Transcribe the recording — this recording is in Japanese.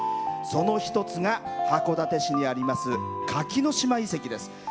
その一つが函館市にあります垣ノ島遺跡です。